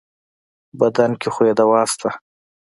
بدن کې خو يې دوا شته.